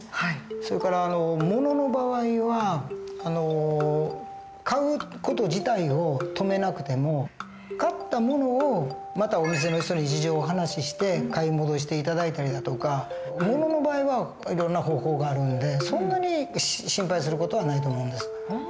それから物の場合は買う事自体を止めなくても買った物をまたお店の人に事情をお話しして買い戻して頂いたりだとか物の場合はいろんな方法があるんでそんなに心配する事はないと思うんです。